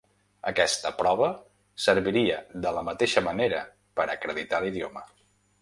Aquesta prova serviria de la mateixa manera per acreditar l’idioma.